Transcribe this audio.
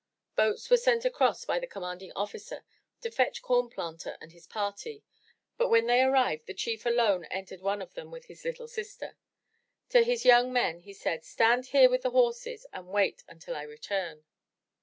Boats were sent across by the commanding officer to fetch Corn Planter and his party, but when they arrived the Chief alone entered one of them with his little sister. To his young men he said: "Stand here with the horses and wait until I return."